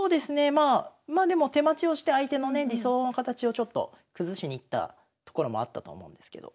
まあまあでも手待ちをして相手のね理想の形をちょっと崩しにいったところもあったと思うんですけど。